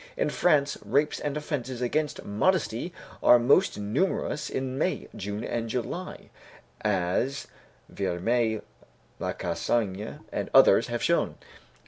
In France, rapes and offences against modesty are most numerous in May, June, and July, as Villermé, Lacassagne, and others have shown.